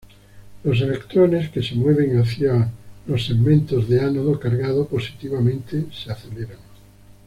Los electrones que se mueven hacia los segmentos de ánodo cargado positivamente se aceleran.